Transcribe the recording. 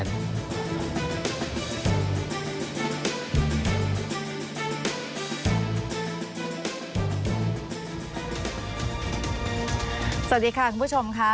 สวัสดีค่ะคุณผู้ชมค่ะ